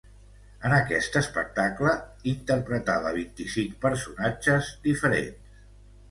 En aquest espectacle interpretava vint-i-cinc personatges diferents.